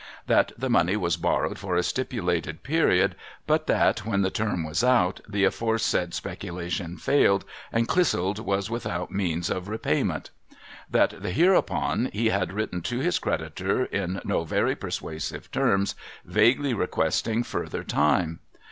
That the money was borrowed for a stipulated period ; but that, when the term was out, the aforesaid s])eculalion failed, and Clissold was without means of repayment. 'J'hat, hereupon, he had written to his creditor, in no very persuasive terms, vaguely requesting further time.